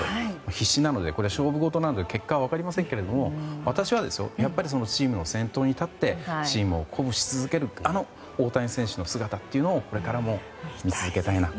必死なので、これは勝負事なので結果は分かりませんが私は、チームの先頭に立ってチームを鼓舞し続けるあの大谷選手の姿をこれからも見続けたいなと。